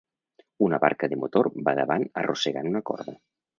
Una barca de motor va davant arrossegant una corda.